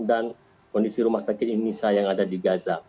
dan kondisi rumah sakit indonesia yang ada di gaza